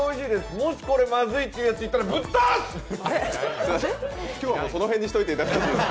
もしこれまずいって言うやつがいたら、ぶっ飛ばす！